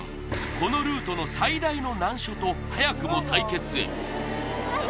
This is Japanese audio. このルートの最大の難所と早くも対決へ